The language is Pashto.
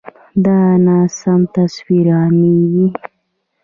دا ناسم تصویر عامېږي.